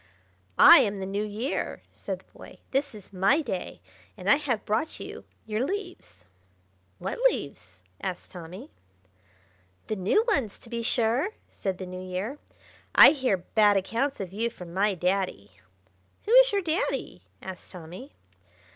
"I am the New Year!" said the boy. "This is my day, and I have brought you your leaves." "What leaves?" asked Tommy. "The new ones, to be sure!" said the New Year. "I hear bad accounts of you from my Daddy—" "Who is your Daddy?" asked Tommy.